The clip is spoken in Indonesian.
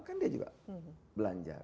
kan dia juga belanja